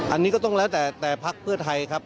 อันนี้ก็ต้องแล้วแต่แต่พักเพื่อไทยครับ